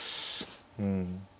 うん。